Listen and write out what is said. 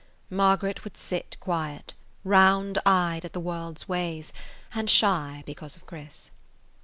Margaret would sit quiet, round eyed at the world's ways, and shy because of Chris.